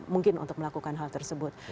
mungkin untuk melakukan hal tersebut